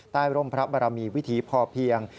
ใต้ร่มพระพระมีวิธีพอเพียง